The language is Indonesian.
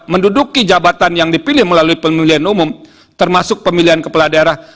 menduduki jabatan yang dipilih melalui pemilihan umum termasuk pemilihan kepala daerah